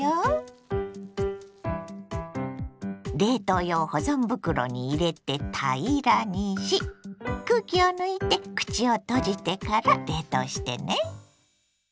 冷凍用保存袋に入れて平らにし空気を抜いて口を閉じてから冷凍してね。